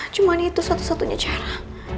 cuma itu satu satunya cara